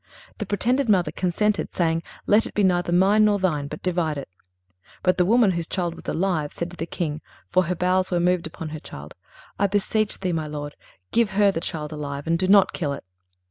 The pretended mother consented, saying: Let it be neither mine nor thine, but divide it. "But the woman whose child was alive, said to the king (for her bowels were moved upon her child): I beseech thee, my lord, give her the child alive, and do not kill it."